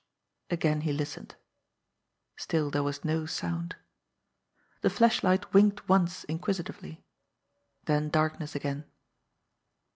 Again he listened. Still there was no sound. The THE GRAY SEAL 19 flashlight winked once inquisitively then darkness again.